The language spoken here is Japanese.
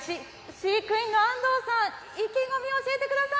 飼育員の安藤さん、意気込みを教えてください。